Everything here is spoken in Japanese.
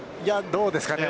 どうですかね。